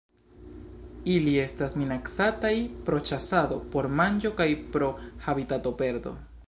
Ili estas minacataj pro ĉasado por manĝo kaj pro habitatoperdo.